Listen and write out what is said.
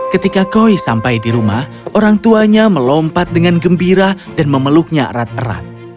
ketika koi sampai di rumah orang tuanya melompat dengan gembira dan memeluknya erat erat